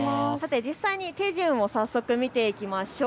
実際に手順を早速、見ていきましょう。